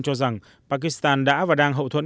cho rằng pakistan đã và đang hậu thuẫn